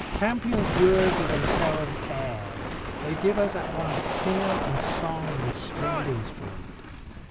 Campion's words are themselves airs. They give us at once singer and song and stringed instrument.